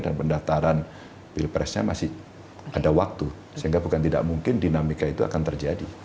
dan pendaftaran pilpresnya masih ada waktu sehingga bukan tidak mungkin dinamika itu akan terjadi